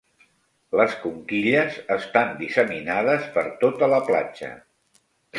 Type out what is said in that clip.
Les conquilles estan disseminades per tota la platja.